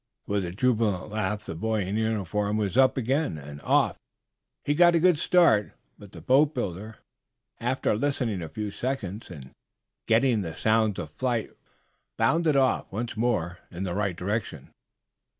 With a jubilant laugh the boy in uniform was up again, and off. He got a good start, but the boatbuilder, after listening a few seconds, and getting the sounds of flight, bounded off, once more, in the right direction.